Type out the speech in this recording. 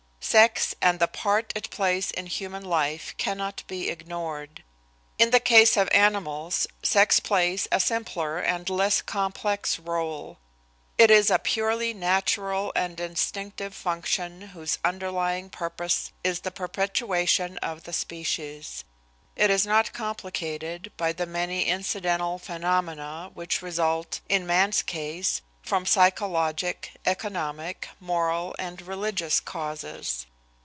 Sex and the part it plays in human life cannot be ignored. In the case of animals sex plays a simpler and less complex rôle. It is a purely natural and instinctive function whose underlying purpose is the perpetuation of the species. It is not complicated by the many incidental phenomena which result, in man's case, from psychologic, economic, moral and religious causes.